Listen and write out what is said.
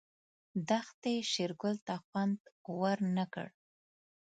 دښتې شېرګل ته خوند ورنه کړ.